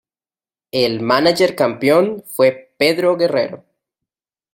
El mánager campeón fue Pedro Guerrero.